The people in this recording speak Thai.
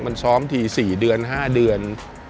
มันซ้อมที๔เดือน๕เดือน